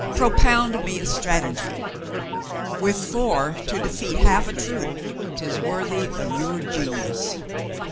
Pro pound me a strategy. With four to defeat half a troop. 'Tis worthy of your genius."